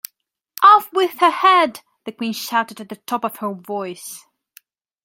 ‘Off with her head!’ the Queen shouted at the top of her voice.